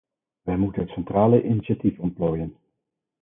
Wij moeten het centrale initiatief ontplooien.